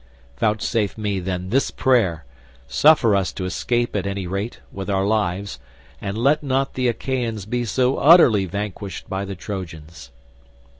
Vouchsafe me then this prayer—suffer us to escape at any rate with our lives, and let not the Achaeans be so utterly vanquished by the Trojans."